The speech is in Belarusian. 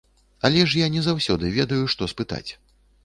Але ж я не заўсёды ведаю, што спытаць.